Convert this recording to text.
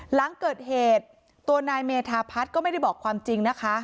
หลังเกิดเหตุตัวนายเมธาพัฒน์ก็ไม่ได้บอกความจริงนะคะ